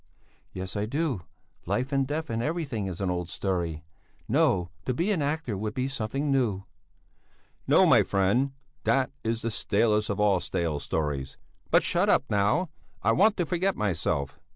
"Yes, I do; life and death and everything is an old story no to be an actor would be something new." "No, my friend. That is the stalest of all stale stories. But shut up, now! I want to forget myself."